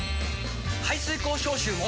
排水口消臭も！